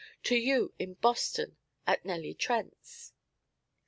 to you in Boston, and at Nellie Trent's.